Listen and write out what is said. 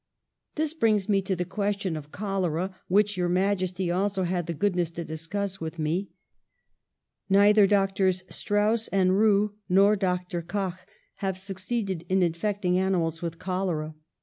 'This brings me to the question of cholera, which Your Majesty also had the goodness to discuss with me. Neither Doctors Strauss and Roux nor Dr. Koch have succeeded in infect ing animals with cholera.